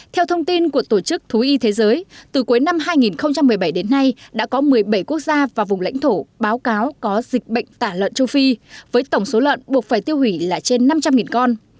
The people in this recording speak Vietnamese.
theo thông tin của tổ chức thú y thế giới từ cuối năm hai nghìn một mươi bảy đến nay đã có một mươi bảy quốc gia và vùng lãnh thổ báo cáo có dịch bệnh tả lợn châu phi với tổng số lợn buộc phải tiêu hủy là trên năm trăm linh con